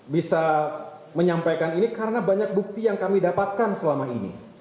bisa menyampaikan ini karena banyak bukti yang kami dapatkan selama ini